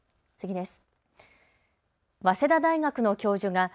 次です。